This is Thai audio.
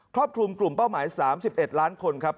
รอบคลุมกลุ่มเป้าหมาย๓๑ล้านคนครับ